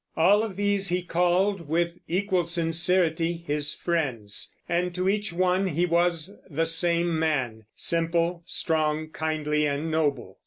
All of these he called with equal sincerity his friends, and to each one he was the same man, simple, strong, kindly, and noble.